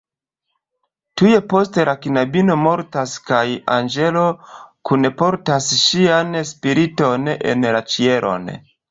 Tuj poste la knabino mortas kaj anĝelo kunportas ŝian spiriton en la ĉielon.